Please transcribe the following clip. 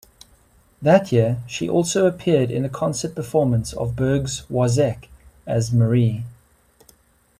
That year, she also appeared in a concert performance of Berg's "Wozzeck" as Marie.